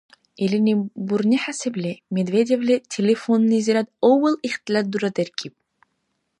Илини бурни хӀясибли, Медведевли телефоннизирад авал ихтилат дурадеркӀиб.